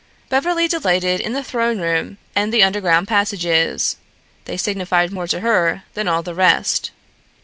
Beverly delighted in the throne room and the underground passages; they signified more to her than all the rest.